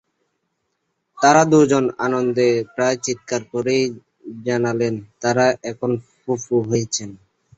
তাঁরা দুজন আনন্দে প্রায় চিৎকার করেই জানালেন, তাঁরা এখন ফুপু হয়েছেন।